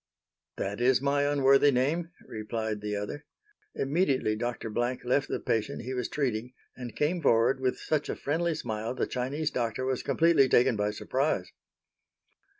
"That is my unworthy name," replied the other. Immediately Dr. Blank left the patient he was treating, and came forward with such a friendly smile the Chinese doctor was completely taken by surprise.